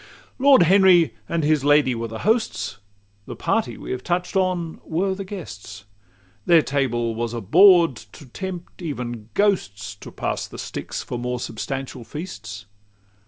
XCIX Lord Henry and his lady were the hosts; The party we have touch'd on were the guests: Their table was a board to tempt even ghosts To pass the Styx for more substantial feasts.